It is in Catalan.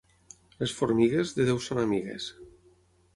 Les formigues, de Déu són amigues.